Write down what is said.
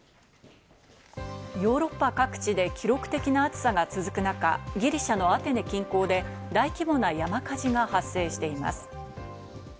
ヨーロッパ各地で記録的な暑さが続く中、ギリシャのアテネ近郊で大規模な山火事が発生しています。